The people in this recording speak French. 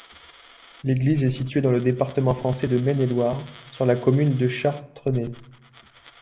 L'église est située dans le département français de Maine-et-Loire, sur la commune de Chartrené.